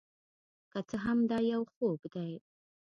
که څه هم دا یو خوب دی،